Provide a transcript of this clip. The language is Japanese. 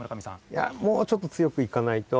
いやもうちょっと強くいかないと。